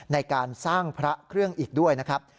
ในการสร้างพระเครื่องอีกด้วยนะครับ